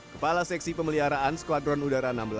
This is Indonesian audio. kepala seksi pemeliharaan skuadron udara enam belas